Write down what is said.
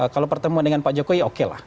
kalau pertemuan dengan pak jokowi oke lah